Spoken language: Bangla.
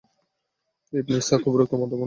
ইবন ইসহাক উপরোক্ত মত বর্ণনা করেছেন।